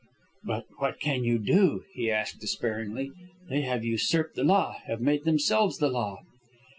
"But what can you do?" he asked, despairingly. "They have usurped the law, have made themselves the law."